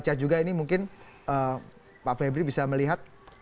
baca juga ini mungkin pak febri bisa melihat